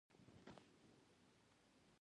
اکبر له راجپوتانو سره دوستي وکړه.